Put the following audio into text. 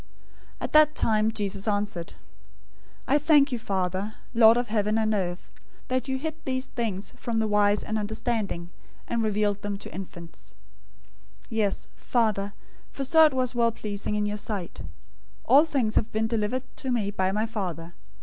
011:025 At that time, Jesus answered, "I thank you, Father, Lord of heaven and earth, that you hid these things from the wise and understanding, and revealed them to infants. 011:026 Yes, Father, for so it was well pleasing in your sight. 011:027 All things have been delivered to me by my Father.